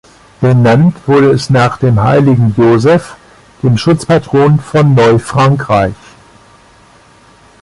Benannt wurde es nach dem Heiligen Joseph, dem Schutzpatron von Neufrankreich.